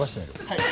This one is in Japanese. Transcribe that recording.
はい。